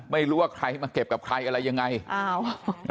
ไม่รู้ว่าใครมาเก็บกับใครอะไรยังไงอ้าว